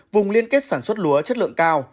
vùng liên kết sản xuất lúa chất lượng cao